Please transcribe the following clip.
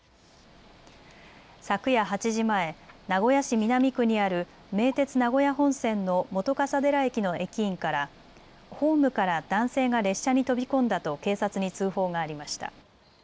昨夜８時前、名古屋市南区にある名鉄名古屋本線の本笠寺駅の駅員からホームから男性が列車に飛び込んだと警察に通報がありました。